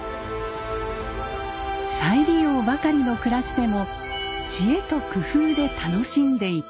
再利用ばかりの暮らしでも知恵と工夫で楽しんでいた。